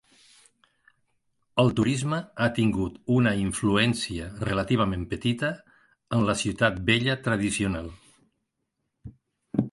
El turisme ha tingut una influència relativament petita en la ciutat vella tradicional.